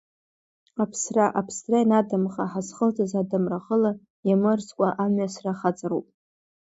Аԥсра, аԥсра ианадамха, ҳазхылҵыз адамра хыла иамырскәа амҩасра хаҵароуп.